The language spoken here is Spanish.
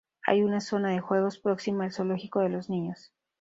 Hay una zona de juegos próxima al zoológico de los niños.